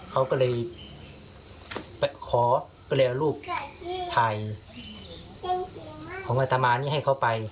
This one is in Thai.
เขาก็เลยไปขอก็เลยเอารูปถ่ายของอัตมานี่ให้เขาไป